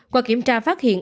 qua kiểm tra phát hiện